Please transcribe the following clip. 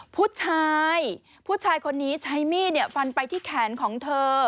ผู้ชายคนนี้ใช้มีดฟันไปที่แขนของเธอ